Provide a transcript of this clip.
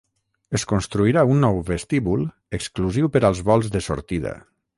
Es construirà un nou vestíbul exclusiu per als vols de sortida.